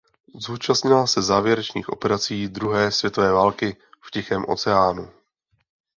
Zúčastnila se závěrečných operací druhé světové války v Tichém oceánu.